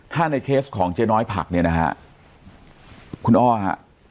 ถ้าในเคสของเจ๊น้อยผักเนี่ยนะฮะคุณอ้อฮะ